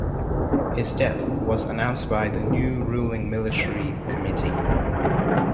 His death was announced by the new ruling military committee.